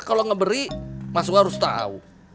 kalau ngeberi masuk harus tau